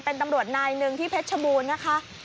เป็นตำรวจนายหนึ่งที่เพชรชบูรณ์นะคะ